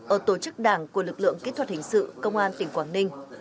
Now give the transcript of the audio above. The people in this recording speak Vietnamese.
ở tổ chức đảng của lực lượng kỹ thuật hình sự công an tỉnh quảng ninh